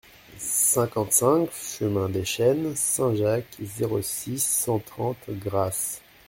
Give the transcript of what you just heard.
cinquante-cinq chemin des Chênes Saint-Jacques, zéro six, cent trente, Grasse